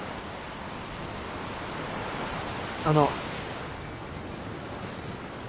あの。